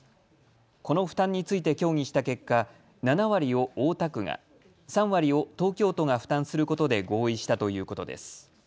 この負担について協議した結果、７割を大田区が、３割を東京都が負担することで合意したということです。